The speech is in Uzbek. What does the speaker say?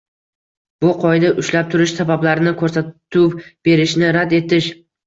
Bu qoida ushlab turish sabablarini, ko‘rsatuv berishni rad etish